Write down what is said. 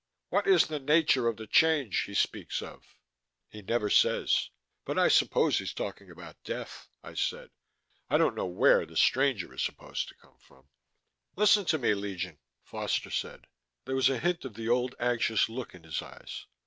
"What is the nature of the Change he speaks of?" "He never says but I suppose he's talking about death," I said. "I don't know where the stranger is supposed to come from." "Listen to me, Legion," Foster said. There was a hint of the old anxious look in his eyes.